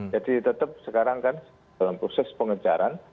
jadi tetap sekarang kan dalam proses pengejaran